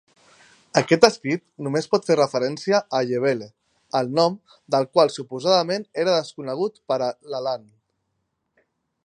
Aquest escrit només pot fer referència a Yevele, el nom del qual suposadament era desconegut per a Leland.